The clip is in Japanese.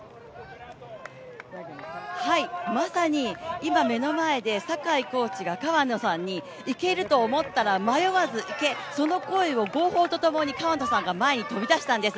まさに今、目の前で酒井コーチが川野さんに行けると思ったら迷わず行けその声とともに川野選手が前に飛び出したんです。